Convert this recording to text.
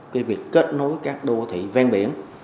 cái việc kết nối các đô thị ven biển